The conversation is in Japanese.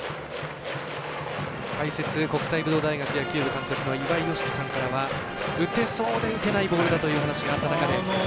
解説、国際武道大学野球部監督の岩井美樹さんからは打てそうで打てないボールという話があった中で。